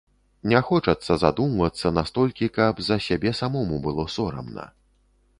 Не хочацца задумвацца настолькі, каб за сябе самому было сорамна.